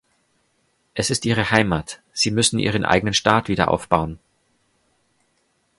Es ist ihre Heimat, sie müssen ihren eigenen Staat wiederaufbauen.